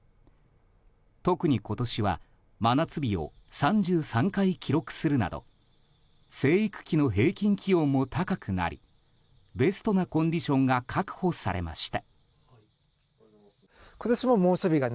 特に今年は真夏日を３３回記録するなど生育期の平均気温も高くなりベストなコンディションが確保されました。